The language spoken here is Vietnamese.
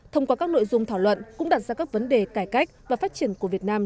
thông qua các nội dung thảo luận cũng đặt ra các vấn đề cải cách và phát triển của việt nam